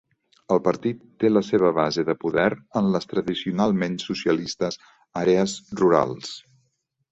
El partit té la seva base de poder en les tradicionalment socialistes àrees rurals.